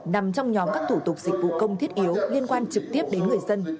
nằm trong nhóm các thủ tục dịch vụ công thiết yếu liên quan trực tiếp đến người dân